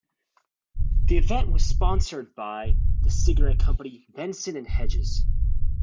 The event was sponsored by the cigarette company Benson and Hedges.